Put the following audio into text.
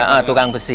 iya tukang besi